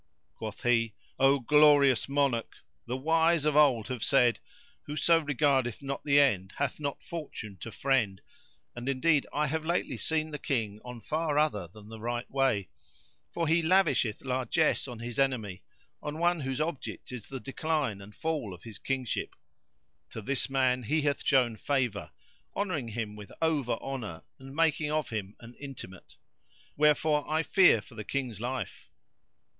Quoth he, "O glorious monarch, the wise of old have said:—Whoso regardeth not the end, hath not Fortune to friend; and indeed I have lately seen the King on far other than the right way; for he lavisheth largesse on his enemy, on one whose object is the decline and fall of his kingship: to this man he hath shown favour, honouring him with over honour and making of him an intimate. Wherefore I fear for the King's life."